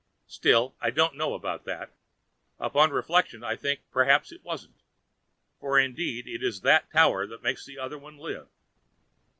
Still, I don't know about that; upon reflection I think perhaps it wasn't. For indeed it is that Tower that makes the other one live.